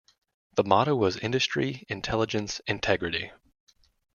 The motto was "Industry, Intelligence, Integrity".